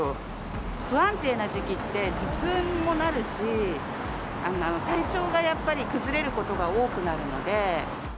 不安定な時期って、頭痛もなるし、体調がやっぱり崩れることが多くなるので。